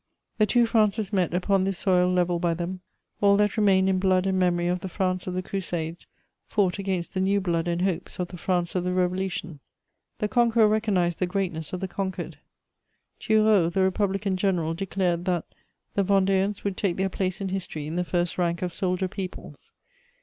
The two Frances met upon this soil levelled by them. All that remained in blood and memory of the France of the Crusades fought against the new blood and hopes of the France of the Revolution. The conqueror recognised the greatness of the conquered. Turreau, the Republican general, declared that "the Vendeans would take their place in history in the first rank of soldier peoples."